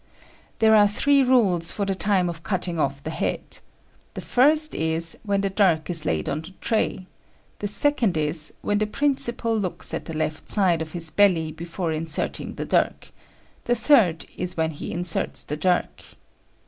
There are three rules for the time of cutting off the head: the first is when the dirk is laid on the tray; the second is when the principal looks at the left side of his belly before inserting the dirk; the third is when he inserts the dirk.